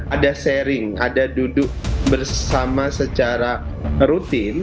ada sharing ada duduk bersama secara rutin